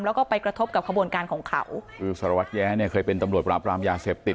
แล้วก็ไปกระทบกับขบวนการของเขาคือสารวัตรแย้เนี่ยเคยเป็นตำรวจปราบรามยาเสพติด